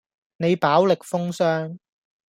你飽歷風霜